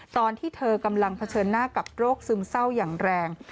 ตอนที่เธอกำลังเผชิญหน้ากับโรคซึมเศร้าอย่างแรง